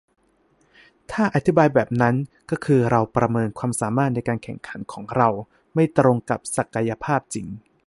ถ้าอธิบายแบบนั้น ก็คือเราประเมินความสามารถในการแข่งขันของเราไม่ตรงกับศักยภาพจริง